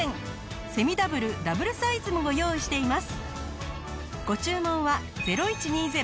セミダブルダブルサイズもご用意しています。